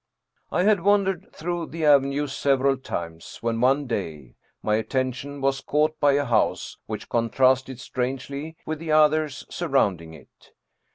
I had wandered through the avenue several times, when one day my attention was caught by a house which con trasted strangely with the others surrounding it.